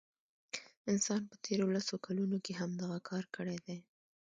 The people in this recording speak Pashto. انسان په تیرو لسو کلونو کې همدغه کار کړی دی.